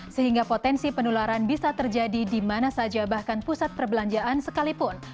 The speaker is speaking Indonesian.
sehingga potensi penularan bisa terjadi di mana saja bahkan pusat perbelanjaan sekalipun